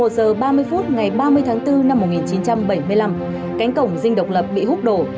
một giờ ba mươi phút ngày ba mươi tháng bốn năm một nghìn chín trăm bảy mươi năm cánh cổng dinh độc lập bị hút đổ